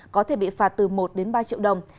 có thể bị phạt từ một đến ba triệu đồng